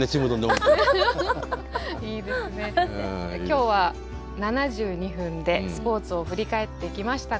今日は７２分でスポーツを振り返ってきました